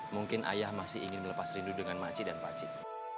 mungkin ayah masih ingin melepas rindu dengan maci dan pacit